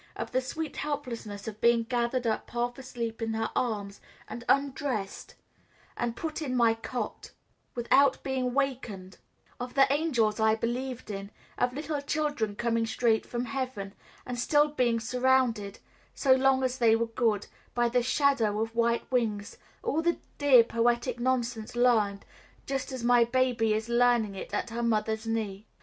of the sweet helplessness of being gathered up half asleep in her arms, and undressed, and put in my cot, without being wakened; of the angels I believed in; of little children coming straight from heaven, and still being surrounded, so long as they were good, by the shadow of white wings, all the dear poetic nonsense learned, just as my baby is learning it, at her mother's knee.